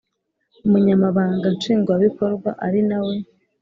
Umunyamabanga Nshingwabikorwa ari nawe